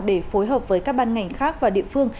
để phối hợp với các ban ngành khác và địa phương